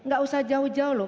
gak usah jauh jauh loh